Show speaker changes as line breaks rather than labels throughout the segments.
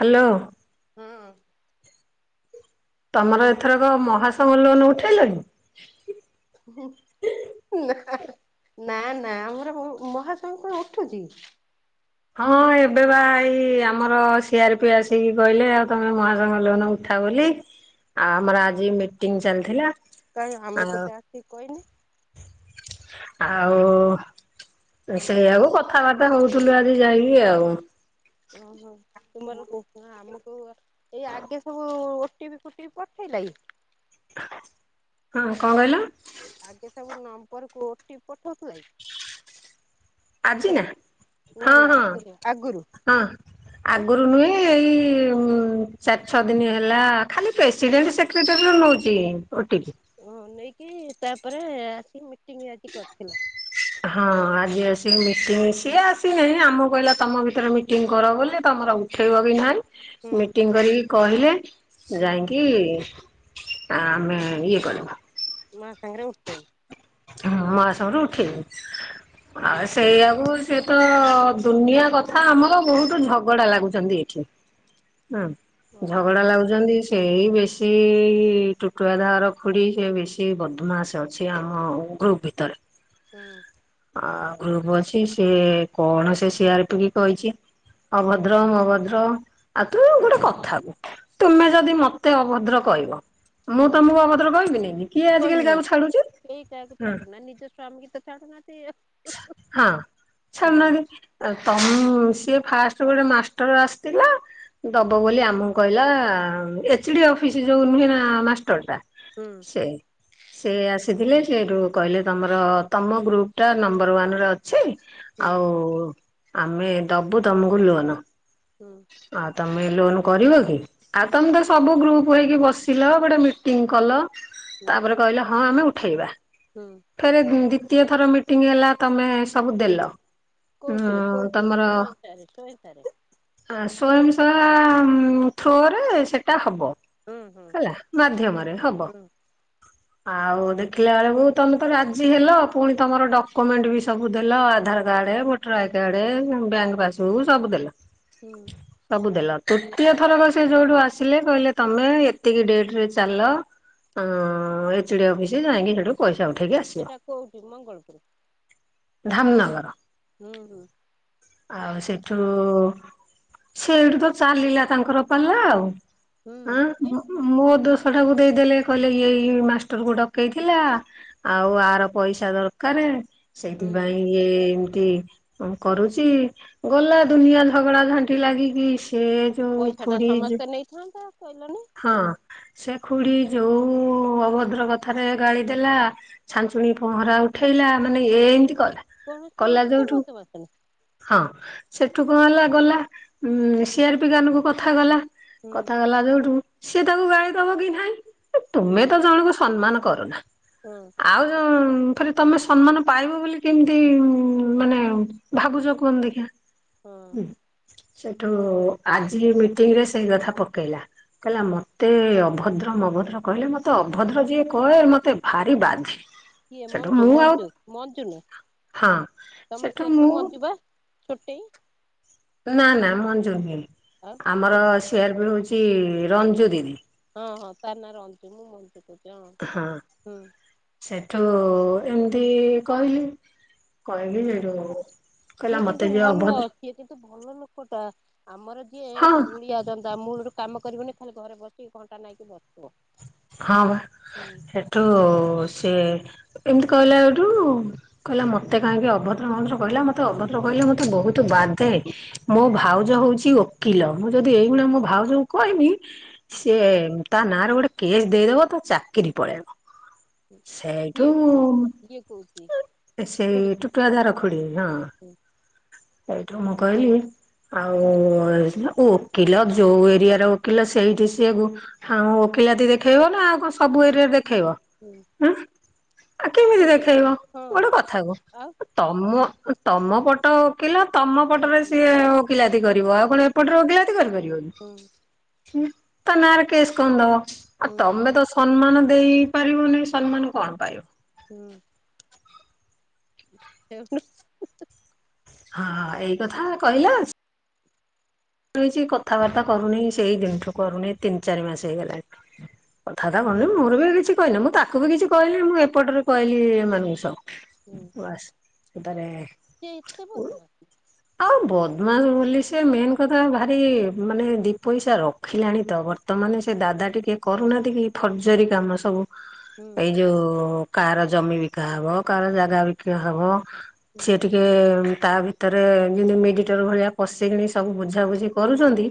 Hello.
ହୁଁ
ତମର ଏଥର କ ମହା ତମର ଲୋନ ଉଠେଇଲଣି?
ନା ନା ଆମର ମହାସଂଙ୍ଘ ଉଠୁଛି।
ହଁ ଏବେ ପା ଏଇ। ଆମର ସିଆର ପି ଆସିକି କହିଲେ ଆଉ ତମେ ମହାସଂଘ ଲୋହନ ଉଠା ବୋଲି ଆଉ ଆମର ଆଜି ମିଟିଂ ଚାଲିଥିଲା।
କାଇଁ
ଆଉ
ଆମୁକ ତ ଆସିକି କହିନି।
ଆଉ
ଆମ
ସେଇକୁ କଥାବାର୍ତ୍ତା ହଉ ଥୁଲୁ ଆଜି ଯାଇକି ଆଉ।
ଓହୋ। ତୁମର [unintelligible] ଏଇ ଆଗେ ସବୁ ଓଟିପି ଫୋଟିପି ପଠେଇଲା କି?
ହଁ କଣ କହିଲ?
ତମର କୋଉ ଓଟିପି ପଠାଉଥିଲା କି?
ଆଜି
ସେ
ନା ହଁ
ନା ନା
ହଁ
ଆଗରୁ ଆଗରୁ
ହଁ
ଆଁ
ଆଗରୁ ନୁହେ ଏଇ ହୁଁ ଚାରି ଛଅ ଦିନ ହେଲା ଖାଲି ପ୍ରେସିଡେଣ୍ଟ ସେକ୍ରେଟାରୀରୁ ନଉଛି। ଓଟିପି
ନେଇକି ତାପରେ ଆସିିକି ମିଟି ଟିଙ୍ଗି ଆଜି କରିଥିଲା।
ହଁ ଆଜି ଆସିକି ମିଟିଂ ସିଏ ଆଶି ନାହିଁ ଆମକୁ କହିଲା ତମ ଭିତରେ ମିଟିଂ କର ବୋଲି ତମର ଉଠେଇବ କି ନାହିଁ।
ହୁଁ
ମିଟିଂ କରି କହିଲେ।
ହୁଁ
ଯାଇକି ଆ ଆମେ ଇଏ କର
ମା ସାଙ୍ଗରେ ଉଠେଇବ।
ହ ମା ସାଙ୍ଗରେ ଉଠେଇବ।
ହୁଁ
ଆଉ ସେଇଆକୁ ସେ ତ ଦୁନିଆ କଥା ଆମର ବହୁତ ଝଗଡା ଲାଗୁଛନ୍ତି ଏଠି। ହଁ ଝଗଡା
ହଁ
ଲାଗୁଛନ୍ତି। ସେଇ ବେଶି ଟୁଟୁ ଦଦା ହର ଖୁଡ଼ି ସେ ବେଶି ବଦମାସ ଅଛି ଆମ ଗ୍ରୁପ ଭିତରେ।
ହୁଁ।
ଆଉ ଗ୍ରୁପ ଅଛି ସିଏ କଣ ସେ ସିଆରପି କି କହିଛି ଅଭଦ୍ର ମଭଦ୍ର ଆଉ ତୁ ଗୋଟେ କଥାକୁୁ ତୁମେ ଯଦି ମତେ ଅଭଦ୍ର କହିବ ମୁଁ
ହୁଁ
ତମକୁ ଅଭଦ୍ର କହିବିନିି କିଏ ଆଜିକାଲି କାହାକୁ ଛାଡୁଛି। ହୁଁ
ଛାଡୁ ନା ନିଜ ସ୍ୱାମୀ ତ ଛାଡୁନାହାନ୍ତି।
ହଁ
ହୁଁ
ଛାଡୁନାହାନ୍ତି ତମ ସିଏ ଫାଷ୍ଟ ଗୋଟେ ମାଷ୍ଟର ଆସିଥିଲା ଦବ ବୋଲି ଆମକୁ କହିଲା ଏଚ ଡି ଅଫିସ ଯୋଉ ନୁହେଁ ନା ମାଷ୍ଟର ଟା।
ହୁଁ
ସେ ସେ ଆସିଥିଲେ ସେଠୁ କହିଲେ ତମର ତମ ଗ୍ରୁପ ଟା ନମ୍ବର ୱାନରେ ଅ ଅଛି
ହୁଁ
ଆଉ ଆମେ ଦବୁ ତମକୁ ଲୋନ?
ହୁଁ।
ଆଉ ତମେ ଲୋନ କରିବ କି ଆଉ ତମେ ତ ସବୁ ଗ୍ରୁପ ହେଇକି ବସିଲ ଗୋଟେ ମିଟିଂ କଲ
ହୁଁ
ତାପରେ କହିଲେ ହଁ ଆମେ ଉଠେଇବା।
ହୁଁ
ଥରେ ଦି ଦିତୀୟ ଥର ମିଟିଙ୍ଗ ହେଲା ତମେ ସବୁ ଦେଲ। ଉଁ
କୋଉଥିରେ କୋଉଥିରେ କେଇଁ ଟାରେ କେଇ ଟାରେ
ଆ ସ୍ଵୟଂସବା ଥ୍ରୋରେ ସେଟା ହବ।
ହୁଁ ହୁଁ
ହେଲା ମାଧ୍ୟମରେ ହବ।
ହୁଁ
ଆଉ ଦେଖିଲା ବେଳକୁ ତମେ ତ ରାଜି ହେଲ ପୁଣି ତମର ଡକୁମେଣ୍ଟ ବି ସବୁ ଦେଲ Aadhaar card voter I card bank passbook ସବୁ ଦେଲ।
ହୁଁ।
ସବୁ ତୃତୀୟ ଥର ସେ ଯୋଉଠୁ ଆସିଲେ କହିଲେ ତମେ ଏତିକି ଡେଟ ରେ ଚାଲ ଅ ଏ ଚି ଡି ଅଫିସ ଯାଇକି ସେଠୁ ପଇ
ସେଟା କୋଉଠି ମଙ୍ଗଳପୁର।
ଧାମନଗର।
ହୁଁ ହୁଁ।
ଆଉ ସେଠୁ ସେଇଠୁ ତ ଚାଲିଲା ତାଙ୍କର ପାଲା ଆଉ।
ହୁଁ।
ହଁ
କି?
ମୋ ଦୋ [unintelligible] ଦେଇଦେଲେ କହିଲେ ଏଇ ମାଷ୍ଟରକୁ ଡକେଇଥିଲା ଆଉ ଆର ପଇସା ଦରକାର।
ହୁଁ
ସେଇଥିପାଇଁ ଇଏ ତି କରୁ ଛି ଗଲା ଦୁନିଆ ଝଗଡା ଝାଣ୍ଟି ଲାଗିକି ସେ ଯୋଉ ଖୁଡି ଯଉ
କହିଲଣିି।
ଖୁଡ଼ି ଯୋଉ ଅଭଦ୍ର କଥାରେ ଗାଳି ଦେଲା ଛାଞ୍ଚୁଣି ପହଁରା ଉଠେଇଲା ମାନେ ଏମିତି କ
କଣ ସିଏ ଏତେ ବଦମାସ୍ ନା?
ହଁ ସେଠୁ କଣ ହେଲା ଗଲା ଉଁ ସି ଆର ପି କାନ କୁ କଥା ଗଲା।
ହୁଁ
କଥା ଗଲା ଯୋଉଠୁ ସେ ତାକୁ ଗାଳି ଦବ କି ନାଇଁ।
ହୁଁ
ତୁମେ ତ ଜଣକୁ ସମ୍ମାନ କରନା।
ହଁ
ଆଉ ଯୋଉ ଫେରେ ତମେ ସମ୍ମାନ ପାଇବ ବୋଲି କେମିତି ମାନେ ଭାବୁଛ କୁହନି ଦେଖିଆ।
ହଁ।
ହୁଁ ସେଠୁ ଆଜି ମିଟିଂ ରେ ସେଇ କଥା ପକେଇଲା। କହିଲା
ହୁଁ
ମତେ ଅଭ ଅଭଦ୍ର ମଭଦ୍ର କହିଲେ ମତେ ଅଭଦ୍ର ଯିଏ କହେ ମତେ ଭାରି ବାଧେ।
କିଏ
ସେଠୁ
ମଞ୍ଜୁ
ମୁଁ ଆଉ
ମଞ୍ଜୁ ମଞ୍ଜୁନୁ
ହଁ
ତମ
ସେଠୁ
ସି ଆର ପି
ମୁଁ
ମଞ୍ଜୁ ପା। ଛୁଟି।
ନା ନା ମଞ୍ଜୁ ନୁହେଁ।
ଆଉ
ଆମର ସି ଆର ପି ହଉଛି ଛି ରଞ୍ଜୁ ଦିଦି।
ହଁ ହଁ ତା ନାଁ ରଞ୍ଜୁ ମୁ ମଞ୍ଜୁ କହୁ କ ହ ହୁଁ।
ଠୁ ଏମିତି କହିଲି। କହିଲି ସେଇଠୁ
ସିଏ
କହିଲା
କିନ୍ତୁ
ମତେ ଯିଏ
ଭଲ
ଅଭଦ୍ର
ସିଏ କିନ୍ତୁ ଭଲ ଲୋକ ଟା। ଆମର ଯିଏ
ହଁ
ଏକ ଧୂଳିଆ ଜନ୍ଦା ମୂଳରୁ କାମ କରିବନି ଖାଲି ଘରେ ବସିକି ଘଣ୍ଟା ନାଇକି ବସିବ।
ହଁ ବା
ହୁଁ
ସେଠୁ ସିଏ ଏମିତି କହିଲା ଏଇଠୁ କହିଲା ମତେ କାହିଁକି ଅଭ କହିଲା ମତେ ଅଭଦ୍ର କହିଲେ ମତେ ବହୁତ ବାଧେ। ମୋ ଭାଉଜ ହଉଛି ଓକିଲ। ମୁଁ ଯଦି ଏଇଭଳିଆ ମୋ ଭାଉଜଙ୍କୁ କହିବି ସେ [inaudible] ତା ନା ରେ ଗୋଟେ କେସ୍ ଦେଇଦବ ତା ଚାକିରି ପଳେଇବ। ସେଇଠୁ
କିଏ କହୁ କିଏ କହୁଛି
ସେଇ
ଖୁଡି
ଟୁକୁଆ ଦାଦାର ଖୁଡି ହଁ।
ହୁଁ
ସେଇଠୁ ମୁଁ କହିଲି ଆଉ ଓକିଲ ଯୋଉ ଏରିଆର ଓକିଲ ସେଇଠି ସିଏ ଆଉ ଓକିଲାତି ଦେଖେଇବ ନା। ଆଉ ସବୁ ଏରିଆରେ ଦେଖେ
ହୁଁ
ଦେଖେଇବ ଉଁ। ଆଉ କେମିତି ଦେଖେଇବ
ହଁ
ଗୋଟେ କଥା କୁହ,
ଆଉ
ତମ ତମ ପଟ ଓ। ଓକିଲ ତମ
କାମ
ପଟରେ
କର
ସିଏ ଓକିଲାତି କରିବ ଆଉ କଣ
ହୁଁ
ଏପଟରେ ଓକିଲାତି କରିପାରିବ
ହୁଁ
କି? ତା ନାଁରେ କେସ୍ କଣ ଦବ? ଆଉ
ହୁଁ
ତମେ ତ ସମ୍ମାନ ଦେଇପାରିବ ନାଇଁ ସମ୍ମାନ କଣ ପାଇବ।
ହୁଁ।
ହ। [inaudible]
ସେ [inaudible]
ହଁ ଏଇ କଥା କହିଲ ହେଇଛି କଥାବାର୍ତ୍ତା କରୁନି ସେଇ ଦିନଠୁ କରୁନି ତିନି ଚାରି ମାସ ହେଇଗଲାଣି। କଥାବାର୍ତ୍ତା କରୁନି ମୋର ବି କିଛି କହିଲେ ମୁଁ ତାକୁ ବି କିଛି କହିଲି ମୁଁ ଏପଟରେ କହିଲି ମାନେ ସ ବାସ୍। ତାରେ।
ସେ ଏତେ ବୋଧେ
ହଁ ବଦମାସ ବୋଲି ସେ ମେନ୍ କଥା ଭାରି ମାନେ ଦି ପଇସା ରଖିଲାଣି ତ ବର୍ତ୍ତମାନ ସେ ଦାଦା ଟିକେ କରୁନାହାନ୍ତି କି ଫର୍ଜରୀ କାମ ସବୁ
ହୁଁ
ଏଇ ଯୋଉ କାହାର ଜମି ବିକା ହବ କାହାର ଜାଗା ବିକା ହବ।
ହୁଁ
ସିଏ ଟିକେ ତା ଭିତରେ ଯେମିତି ମିଡ଼ିଏଟର ଭଳିଆ ପଶିକି ସବୁ ବୁଝାବୁଝି କରୁଛନ୍ତି।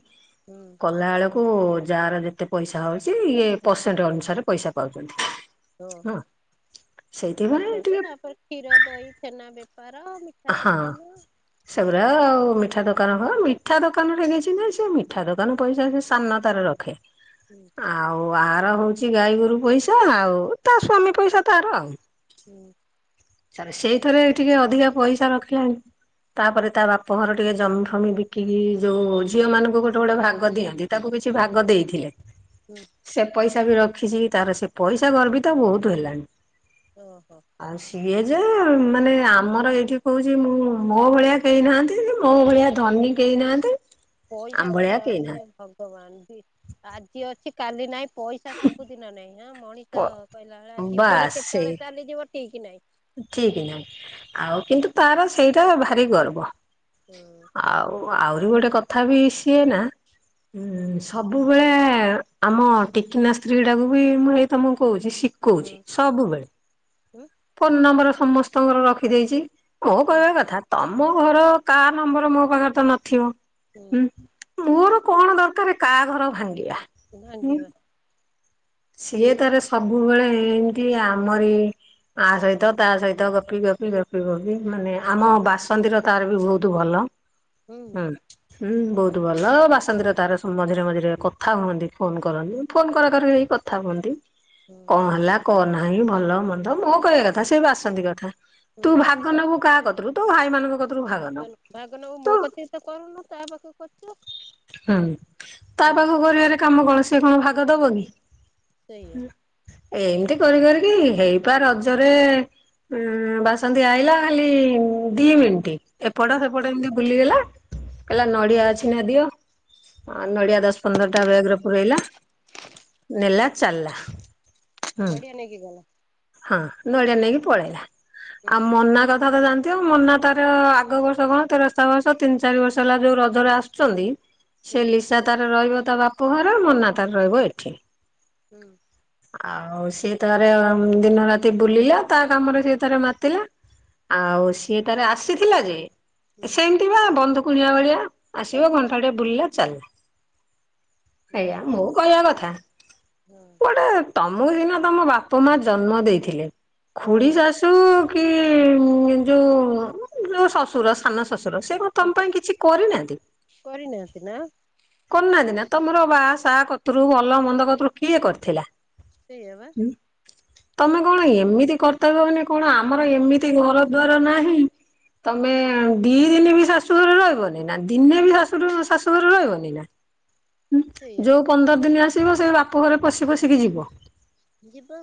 ହୁଁ
କଲା ଆଳ ଓ ଯାର ଯେତେ ପଇସା ହେଉଛି ଇଏ ପରସେଣ୍ଟ ଅନୁସାରେ ପଇସା ପାଉଛନ୍ତି। ହଁ
ଓହୋ
ସେଇଥିପାଇଁ
କରୁଛନ୍ତି
ଟିକେ
ତାପରେ କ୍ଷୀର ଦହି ଛେନା ବେପାର [inaudible] ମିଠା
ହଁ
ଦୋକାନ
ସବରା ମିଠା ଦ ଦୋକାନ ହଁ ମିଠା ଦୋକାନରେ କିଛି ନା ସେ ମିଠା ଦୋକାନ ପଇସା ସେ ସାନତାରେ ରଖେ।
ହୁଁ
ଆଉ ଆ ତାର ହଉଛି ଗାଈ ଗୋରୁ ପଇସା ଆଉ ତା ସ୍ଵାମୀ ପଇସା ତାର ଆଉ।
ହୁଁ
ସେଇଥରେ ଟିକେ ଅଧିକା ପଇସା ରଖିଲାଣି ତାପରେ ତା ବାପ ଘର ଟିକେ ଜମିଫମି ବିକିକି ଯୋଉ ଝିଅ ମାନଙ୍କୁ ଗୋଟେ ଗୋଟେ ଭାଗ ଦିଅନ୍ତି ତାକୁ କିଛି ଭାଗ ଦେଇଥିଲେ।
ହୁଁ
ସେ ପଇସା ପଇସା ବି ରଖିଛି ତାର ସେ ପଇସା ଗର୍ବି ତ ବହୁତୁ ହେଲାଣି।
ଓ ହୋ
ଇଏ ଯେ ମାନେ ଆମର ଏଇଠି କହୁଛି ମୁଁ ମୋ ଭଳିଆ କେହି ନାହାନ୍ତି। ମୋ ଭଳିଆ ଧନୀ କେହି ନାହାନ୍ତି। ଆମ
ପଇସାଟା
ଭଳିଆ କେହି
ଇଏ ଭଗବାନ। ଆଜି ଅଛି କାଲି ନାଇଁ ପଇସା ସବୁଦିନ ନହିଁ। ହଁ ମଣିଷ
ନାହାନ୍ତି
କହିଲା ବେଳେଆ ଜୀବନ
ବାସ୍ ସେଇ
କେତେବେଳେ ଚାଲିଯିବ ଠିକ କି ନାଇଁ।
ଠିକ ନାଇଁ ଆଉ କିନ୍ତୁ ତାର ସେଇଟା ଭାରି ଗର୍ବ।
ହୁଁ
ଆଉ ଆହୁରି ଗୋଟେ କ ଥାପୀ ସିଏ ନା ହୁଁ ସବୁ ବେଳେ ଏ ଆମ ଟିକିନା ସ୍ତ୍ରୀ ଟାକୁ ବି ମୁଁ ଏଇ ତମକୁ କହୁଛି। ସି
ହୁଁ
ଶିଖଉଛି ସବୁବେଳେ
ହୁଁ
ଫୋନ ନମ୍ବର ସମସ୍ତଙ୍କର ରଖିଦେଇଛି। ମୁଁ
ହୁଁ
କହିବା କଥା ତମ ମୋ ଘର କା ନମ୍ବର ମୋ ପାଖରେ ତ ନଥିବ। ହୁଁ ମର କଣ ଦରକାର କାହା ଘର ଭାଙ୍ଗିବା? ହୁଁ
ଭାଙ୍ଗିବା।
ସିଏ, ତାର ସବୁବେଳେ ୲ଏମତି ଆମରି ଆ ସହିତ, ତା ସହିତ ଗପି, ଗପି, ଗପି, ଗପି ୲ମାନେ, ଆମ ବାସନ୍ତିୀର, ତାର ବି ବହୁତ, ଭଲ ୲ ହୁଁ, ହୁଁ, ବହୁତ ଭଲ ୲ ବାସନ୍ତିୀର ତାର ମଝିରେ, ମଝିରେ କଥା ହୁଅନ୍ତି ୲ଫୋନ କରନ୍ତି, ଫୋନ କରା, କରି କଥା ହୁଅନ୍ତି,
ହୁଁ
କଣ, ହେଲା ୲ କଣ ନାହିଁ, ଭଲ ମନ୍ଦ ୲ମୋ କହିବା କଥା, ସେ ବାସନ୍ତି କଥା ୲ ତୁ
ହୁଁ
ଭାଗ ନବୁ, କାହା କ ତୁ ତୋ, ଭାଇ ମାନଙ୍କ କ-
ଭାଗ ନବୁ, ମୋ କତିକି ତ କରନୁ, ତା ପାଖ କୁ, କରଛୁ ୲
ହୁଁ, ତା ପାଖକୁ କରିବାର କାମ, କଣ? ସେ, କଣ ଭାଗ ଦବ, କି?
ସେଇଆ,
ଏମିତି କରି, କରିକି ହେଇପା, ରଜରେ ଉ ବାସନ୍ତିୀ, ଆଇଲା ଖାଲି ଦି ମିନିଟ୍ ୲ ଏପଟ,
ହୁଁ
ସେପଟ ଏମିତି, ବୁଲିଗଲା ୲ କହିଲା ନଡିଆ, ଅଛି ନା ଦିଅ ୲ ନଡିଆ, ଦଶ ପନ୍ଦର ଟା ବେଗରେ, ପୁରେଇଲା ୲ନେଲା ଚାଲିଲା ୲
ନଡିଆ, ନେଇକି ଗଲା?
ହଁ, ନଡିଆ ନେଇକି, ପଳେଇଲା ୲
ହୁଁ
ଆଉ, ମନା କ ତମେ ତ ଜାଣିଥିବ ୲ମୁନା ତାର, ଆଗ ବର୍ଷ କଣ, ତେରସ୍ତା ବର୍ଷ, ତିନି ଚାରି ବର୍ଷ ହେଲା ୲ ଯୋଉ ରଜରେ, ଆସୁଛନ୍ତି ୲
ହୁଁ
ସେ, ଲିସା ତାର ରହିବ ୲ ତା ବାପଘର, ମୁଁନା ତାର ରହିବ ଏଠି ୲
ହୁଁ,
ଆଉ, ସିଏ ତାର ଦିନ, ରାତି ବୁଲିଲା ୲ ତା କାମରେ ସିଏ ତାର ମାତିଲା, ଆଉ ସିଏ ତାର ଆସିଥିଲା, ଯେ
ହୁଁ
ସେମିତି ବା, ବନ୍ଧୁ କୁଣିଆ ଭଳିଆ, ଆସିବ ଘଣ୍ଟାଟେ ବୁଲିଲା, ଚାଲିଲା ୲ ଆଜ୍ଞା ମୁଁ, କହିବା କଥା-
ହଁ,
ଗୋଟେ, ତମକୁ ସିନା ତମ ବାପା, ମା ଜନ୍ମ ଦେଇଥିଲେ ୲ ଖୁଡି,
ହଁ
ଶାଶୁ କି ଯୋଉ, ଯୋଉ ଶଶୁର ସାନ, ସ ଶଶୁର, ସେ
ହଁ
ତମ ପାଇଁ, କିଛି କରିନାହାନ୍ତି?
କରିନାହାନ୍ତି ନା
କରୁନାହାନ୍ତି, ନା? ତମର ବା, ସା କତିରୁ ଭଲ, ମନ୍ଦ କତିରୁ କିଏ, କରି ଥିଲା ୲
ସେଇଆ ବା ୲
ତମେ କଣ ଏମିତି କର୍ତ୍ତବ୍ୟବନି କଣ ଆମର ଏମିତି ଘର ଦୁଆର ନାହିଁ। ତମେ ଦି ଦ ଦିନେ ବି ଶାଶୁଘରେ ରହିବନି ନା ଦିନେ ବି ଶାଶ ଶାଶୁଘରେ ରହିବନି ନା। ହୁଁ
ସେଇଆ
ଯୋଉ ପନ୍ଦର ଦିନ ଆସ ଆସିବ ସେଇ ବାପା ଘରେ ବସିି ବସିକି ଯିବ।
ଯିବ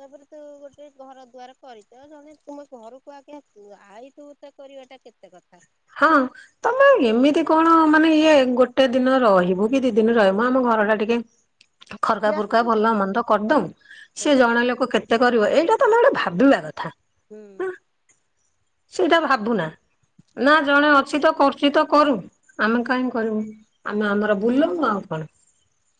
ତାପରେ ତୁ ଗୋଟେ ଘର ଦୁଆାର କରିଛ ଜଣେ ତୁମ ଘରକୁ ଆଗେ ଆସୁ ଆଇ ତୁ ତ କରିବା ଟା କେତେ କଥା।
ହଁ ତମେ ଏମିତି କଣ ମାନେ ଇଏ ଗୋଟେ ଦିନ ରହିବୁ କି ଦି ଦିନ ରହିବୁ ଆମ ଘରଟା ଟିକେ ଖରକା
କିଏ
ଫୁର୍କା
ଆସନ୍ତି?
ଭଲ ମନ୍ଦ କରିଦଉ
ହଁ
ସି ଜଣେ ଲୋକ କେତେ କରିବ ଏଇଟା ତୁମେ ଗୋଟେ ଭାବିବା କଥା।
ହୁଁ।
ସେଇଟା ଭାବୁ ନା ନା ଜଣେ ଅଛି ତ କରୁଛି ତ କରୁ। ଆମେ କାହିଁ କରିବୁ। ଆମେ ଆମର ବୁଲମୁ ଆଉ କଣ?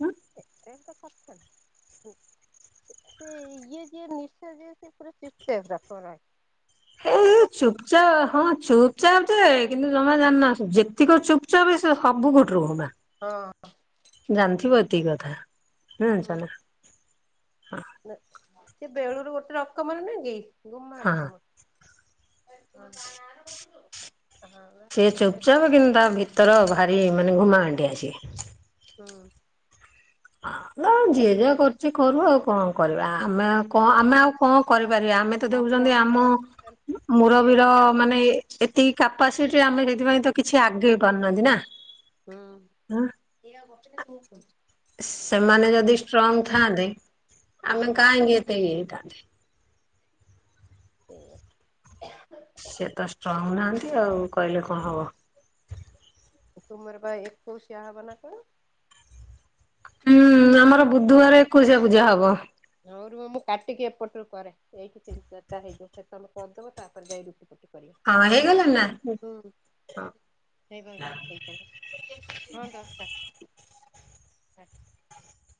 [unintelligible]
ଏ
ତା କଥା
ଚୁପଚାପ ହଁ ଚୁପ ଚୁପଚାପେ କିନ୍ତୁ ତମା ଜାଣିନ ଯେତିକି ଚୁପଚାପ୍ ସେ ସବୁ ଗୋଠ ର ହମା
ହଁ।
ଜାଣିଥିବ ଏତିକି କଥା। ହୁଁ ଚାଲ।
ସେ ବେଳୁରୁ ଗ ର କମଲ ନୁହଁ କି? ଗୁମା
ହଁ
ରଖମା।
ସେ ଚୁପଚାପ କିନ୍ତା ଭିତର ଭାରି ମାନେ ଘୁମାଣି। ଡି ଆସି
ହଁ।
ଆଉ ଯିଏ ଯାହା କରୁଛି କରୁ ଆଉ କଣ କରିବା ଆମେ କଣ
ହଁ
ଆମେ ଆଉ କଣ କରିପାରିବା ଆମେ ତ ଦେଖୁଛନ୍ତି
ଠାକୁରଙ୍କ
ଆମ
ଦୟାରୁ ଝିଅଟି
ମୁରବୀର
ଲାଗି
ମାନେ ଏତିକି କାପାସିଟି ଆମେ ସେଥିପାଇଁ ତ କିଛି ଆଗେଇ ପାରୁନାହାନ୍ତି ନା।
ହଁ।
ସେମାନେ ଯଦି ଷ୍ଟ୍ରଙ୍ଗ ଥାଆନ୍ତେ
ହୁଁ
ଆମେ କାହିଁକି ଏତେ ଇଏ ହେଇ ଥାନ୍ତେ।
[unintelligible]
ଏମିତି ଆଉ କହିଲେ କଣ ହବ?
ତୁମର ବା ଏକଉସି ଆ ହବ ନା କଣ?
ହଁ ଆମର ବୁଧବାର ଏ କୋଇଶିଆ ପୂଜା ହବ।
ଆଉ ର ମୁଁ କାଟିକି ଏପଟରୁ କରେ ଏଇଠି ହେଇଯିବ ସେ ତମେ କରିଦବ ତାପରେ ଯାଇ
ହଁ ହେଇଗଲାଣି ନା? ହଁ
[unintelligible] ହଁ ଦଶଟା। ହୁଁ।